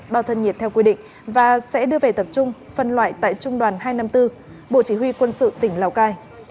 bào thân nhiệt theo quy định và sẽ đưa về tập trung phân loại tại trung đoàn hai trăm năm mươi bốn bộ chỉ huy quân sự tỉnh lào cai